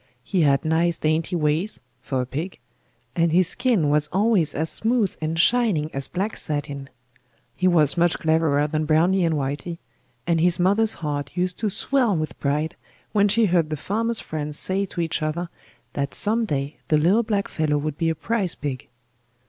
He had nice dainty ways (for a pig), and his skin was always as smooth and shining as black satin. He was much cleverer than Browny and Whitey, and his mother's heart used to swell with pride when she heard the farmer's friends say to each other that some day the little black fellow would be a prize pig.